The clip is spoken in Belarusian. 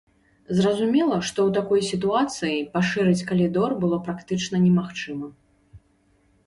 Зразумела, што ў такой сітуацыі пашырыць калідор было практычна немагчыма.